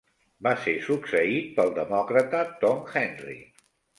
Va ser succeït pel demòcrata Tom Henry.